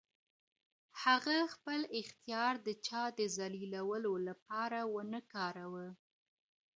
هغه خپل اختیار د چا د ذلیلولو لپاره ونه کاراوه.